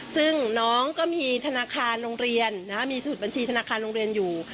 ซึ่งน้องก็มีสูตรบัญชีธนาคารโรงเรียนอยู่